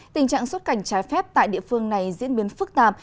tình trạng xuất cảnh trái phép tại địa phương này diễn biến phức tạp